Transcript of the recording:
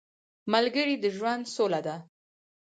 ملګری د ژوند سوله ده